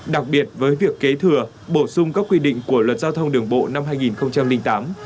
đặc biệt với việc kế thừa bổ sung các quy định của luật giao thông đường bộ năm hai nghìn tám